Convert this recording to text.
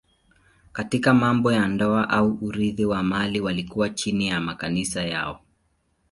Katika mambo ya ndoa au urithi wa mali walikuwa chini ya makanisa yao.